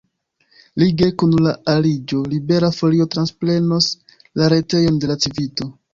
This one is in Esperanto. Lige kun la aliĝo Libera Folio transprenos la retejon de la Civito.